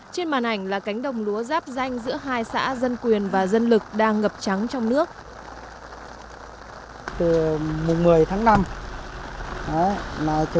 trên màn ảnh là cánh đồng lúa giáp danh giữa hai xã dân quyền và dân lực đang ngập trắng trong nước